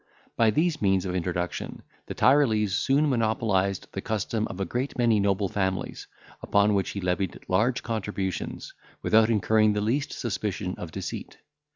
By these means of introduction, the Tyrolese soon monopolised the custom of a great many noble families, upon which he levied large contributions, without incurring the least suspicion of deceit.